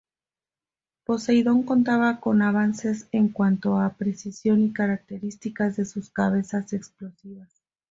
Poseidón contaba con avances en cuanto a precisión y características de sus cabezas explosivas.